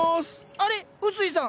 あれ⁉薄井さん！